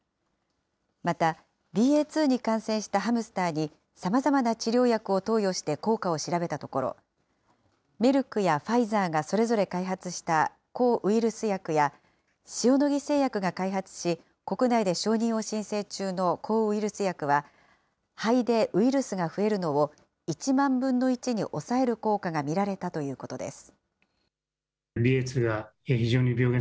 また、ＢＡ．２に感染したハムスターに、さまざまな治療薬を投与して効果を調べたところ、メルクやファイザーがそれぞれ開発した抗ウイルス薬や、塩野義製薬が開発し、国内で承認を申請中の抗ウイルス薬は、肺でウイルスが増えるのを１万分の１に抑える効果が見られたということです。